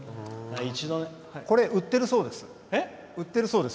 これ、売ってるそうです。